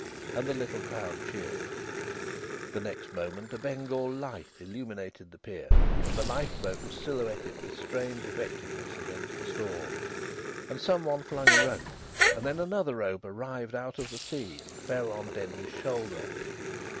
And the little crowd cheered. The next moment a Bengal light illuminated the pier, and the lifeboat was silhouetted with strange effectiveness against the storm. And some one flung a rope, and then another rope arrived out of the sea, and fell on Denry's shoulder.